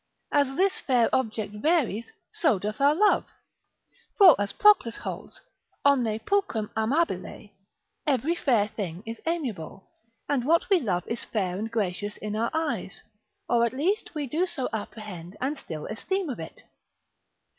As this fair object varies, so doth our love; for as Proclus holds, Omne pulchrum amabile, every fair thing is amiable, and what we love is fair and gracious in our eyes, or at least we do so apprehend and still esteem of it.